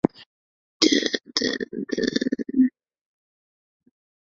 相当迷恋自己的一身的流线型的外壳。